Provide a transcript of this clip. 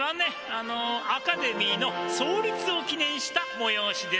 あのアカデミーの創立を記念したもよおしです。